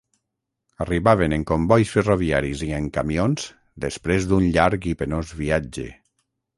Arribaven en combois ferroviaris i en camions després d'un llarg i penós viatge.